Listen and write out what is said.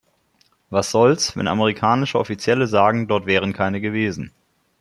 Was soll's, wenn amerikanische Offizielle sagen, dort wären keine gewesen.